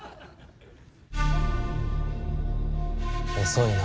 遅いな。